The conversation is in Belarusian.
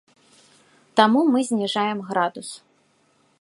Таму мы зніжаем градус.